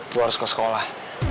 gue harus ke sekolah